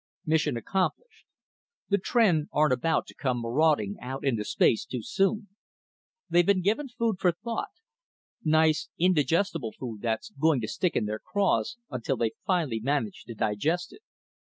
_Mission accomplished; the Tr'en aren't about to come marauding out into space too soon. They've been given food for thought nice indigestible food that's going to stick in their craws until they finally manage to digest it.